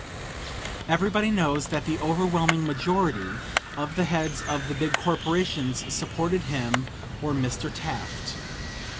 Everybody knows that the overwhelming majority of the heads of the big corporations supported him or Mr. Taft.